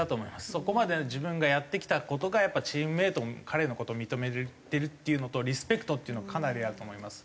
そこまで自分がやってきた事がやっぱチームメートも彼の事認めてるっていうのとリスペクトっていうのかなりあると思います。